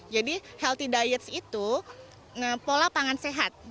jadi healthy diets itu pola pangan sehat